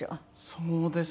そうですね。